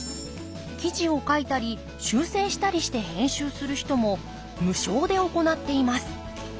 記事を書いたり修正したりして編集する人も無償で行っています。